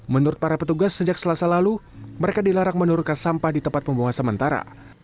menurut para petugas sejak selasa lalu mereka dilarang menurunkan sampah di tempat pembuangan sementara